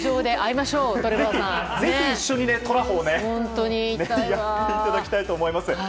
ぜひ一緒に、とらほーをやっていただきたいと思います。